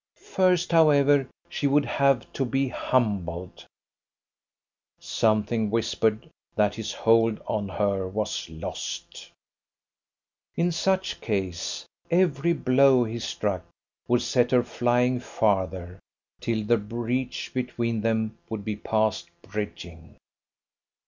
First, however, she would have to be humbled. Something whispered that his hold on her was lost. In such a case, every blow he struck would set her flying farther, till the breach between them would be past bridging.